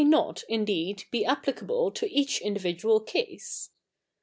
iot^ indeed^ be applicable to each individual case.